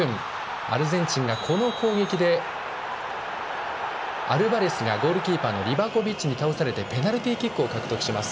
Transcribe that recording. アルゼンチンがこの攻撃でアルバレスがゴールキーパーのリバコビッチに倒されてペナルティーキックを獲得します。